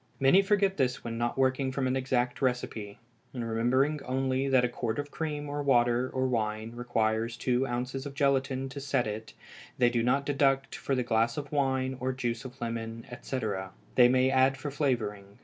Many forget this when not working from an exact recipe, and remembering only that a quart of cream or water or wine requires two ounces of gelatine to set it, they do not deduct for the glass of wine or juice of lemon, etc., they may add for flavoring.